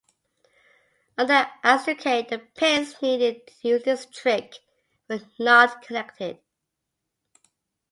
On the Astrocade the pins needed to use this "trick" were not connected.